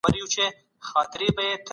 طبيعي علوم تر انساني علومو مخکي وو.